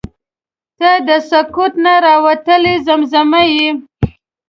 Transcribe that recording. • ته د سکوت نه راوتلې زمزمه یې.